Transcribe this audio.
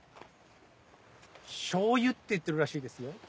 「しょうゆ」って言ってるらしいですよ。